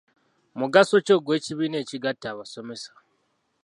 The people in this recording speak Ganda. Mugaso ki ogw'ekibiina ekigatta abasomesa?